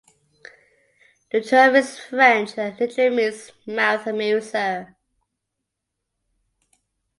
The term is French and literally means "mouth amuser".